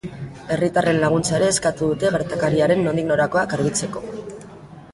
Herritarren laguntza ere eskatu dute gertakariaren nondik norakoak argitzeko.